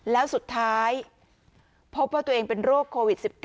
แล้วสุดท้ายพบว่าตัวเองเป็นโรคโควิด๑๙